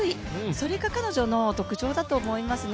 それが彼女の特徴だと思いますね。